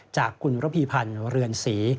จากคุณระพีพันธ์เรือนศรี